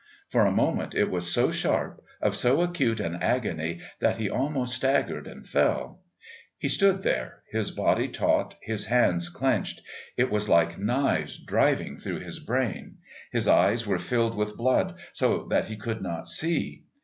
For a moment it was so sharp, of so acute an agony, that he almost staggered and fell. He stood there, his body taut, his hands clenched. It was like knives driving through his brain; his eyes were filled with blood so that he could not see.